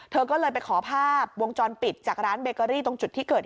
เธอก็เลยไปขอภาพวงจรปิดจากร้านเบเกอรี่ตรงจุดที่เกิดเหตุ